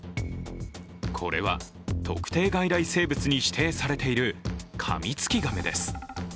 これは特定外来生物に指定されているカミツキガメです。